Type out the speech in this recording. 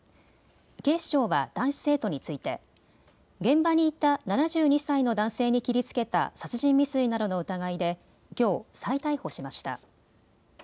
警視庁は男子生徒について現場にいた７２歳の男性に切りつけた殺人未遂などの疑いできょう、再逮捕しました。